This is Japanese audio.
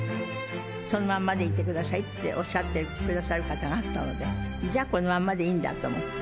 そのままでいてくださいっておっしゃってくださる方があったので、じゃあ、このままでいいんだと思って。